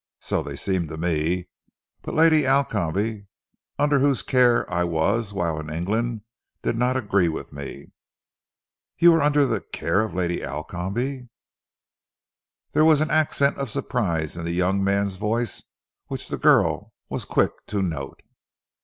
"So they seemed to me, but Lady Alcombe, under whose care I was whilst in England, did not agree with me." "You were under the care of Lady Alcombe?" There was an accent of surprise in the young man's voice, which the girl was quick to note.